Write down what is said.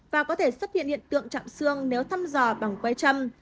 và có thể xuất hiện hiện tượng chạm xương nếu thăm dò bằng quay châm